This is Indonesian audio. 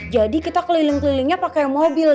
jadi kita keliling kelilingnya pakai mobil